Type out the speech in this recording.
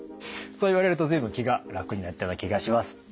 そう言われると随分気が楽になったような気がします。